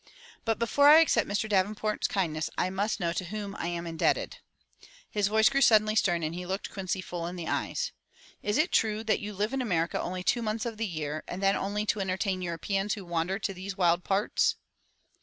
*'But before I accept Mr. Davenport's kindness, I must know to whom I am indebted." His voice grew suddenly stern and he looked Quincy full in the eyes. " Is it true that you live in America only two months of the year and then only to entertain Europeans who wander to these wild parts?"